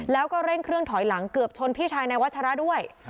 แล้วก็เร่งเครื่องถอยหลังเกือบชนพี่ชายในวัชระด้วย